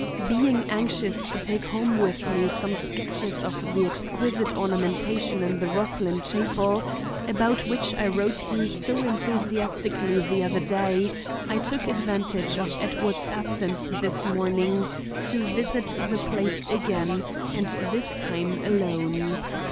"Being anxious to take home with me some sketches of the exquisite ornamentation in the Rosslyn chapel about which I wrote you so enthusiastically the other day, I took advantage of Edward's absence this morning to visit the place again and this time alone.